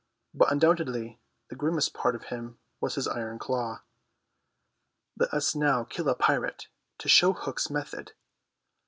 But undoubtedly the grimmest part of him was his iron claw. Let us now kill a pirate, to show Hook's method.